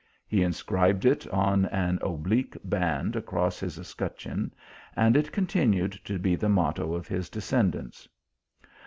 He inscribed it on an oblique band across his escutcheon, and it continued to be the motto of his descendants.